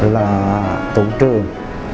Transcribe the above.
là tụ trường